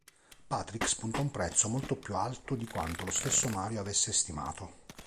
Patrick spunta un prezzo molto più alto di quanto lo stesso Mario avesse stimato.